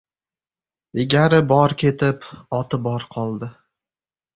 • Egari bor ketib, oti bor qoldi.